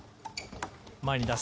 前に出す。